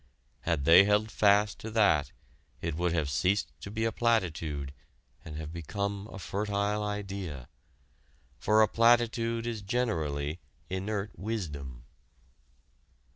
Had they held fast to that, it would have ceased to be a platitude and have become a fertile idea. For a platitude is generally inert wisdom.